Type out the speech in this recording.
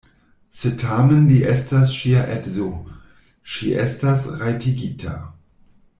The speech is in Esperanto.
Se tamen li estas ŝia edzo, ŝi estas rajtigita.